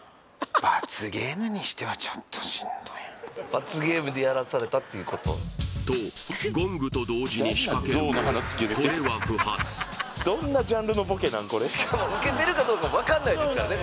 罰ゲームでやらされたっていうこととゴングと同時に仕掛けるもこれはしかもウケてるかどうか分かんないですからね